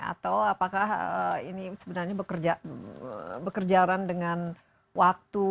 atau apakah ini sebenarnya bekerjaran dengan waktu